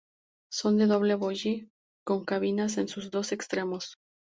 Son de doble bogie, con cabinas en sus dos extremos.